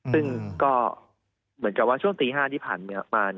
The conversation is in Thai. ซึ่งก็เหมือนกับว่าช่วงตี๕ที่ผ่านมา